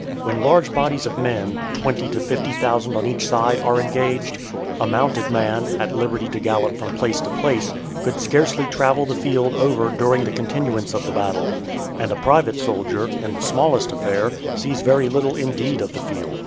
When large bodies of men twenty to fifty thousand on each side are engaged, a mounted man, at liberty to gallop from place to place, could scarcely travel the field over during the continuance of the battle; and a private soldier, in the smallest affair, sees very little indeed of the field.